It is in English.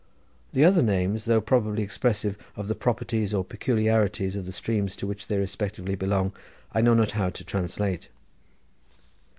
The other names, though probably expressive of the properties or peculiarities of the streams to which they respectively belong, I know not how to translate.